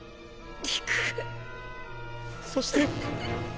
そして！